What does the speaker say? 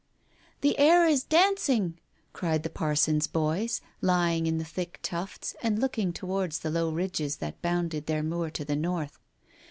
"The air is dancing !" cried the parson's boys, lying* in the thick tufts and looking towards the low ridges that bounded their moor to the north.